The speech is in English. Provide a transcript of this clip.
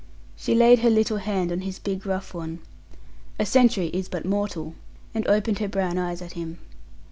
She laid her little hand on his big rough one a sentry is but mortal and opened her brown eyes at him.